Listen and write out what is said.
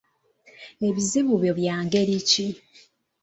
Ebizibu ebyo bya ngeri ki?